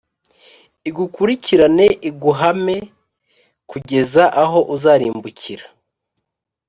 igukurikirane iguhame kugeza aho uzarimbukira